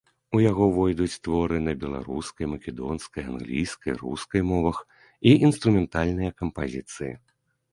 У яго увойдуць творы на беларускай, македонскай, англійскай, рускай мовах і інструментальныя кампазіцыі.